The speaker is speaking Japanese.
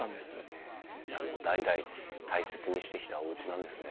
へえじゃあもう代々大切にしてきたおうちなんですね。